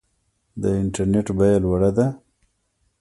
د انټرنیټ بیه لوړه ده؟